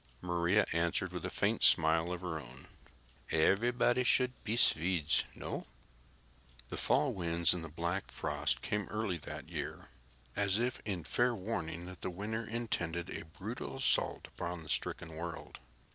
Maria answered with a faint smile of her own. "Everybody should be Swedes. No?" The fall winds and the black frost came early that year, as if in fair warning that the winter intended a brutal assault upon the stricken world.